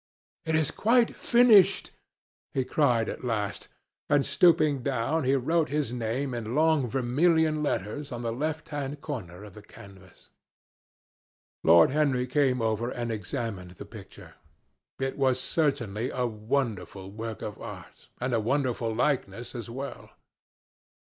"It is quite finished," he cried at last, and stooping down he wrote his name in long vermilion letters on the left hand corner of the canvas. Lord Henry came over and examined the picture. It was certainly a wonderful work of art, and a wonderful likeness as well.